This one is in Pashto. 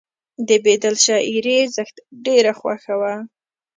د بیدل شاعري یې زښته ډېره خوښه وه